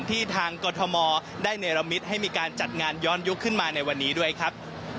ทางกรทมได้เนรมิตให้มีการจัดงานย้อนยุคขึ้นมาในวันนี้ด้วยครับ